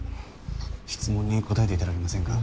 質問に答えていただけませんか？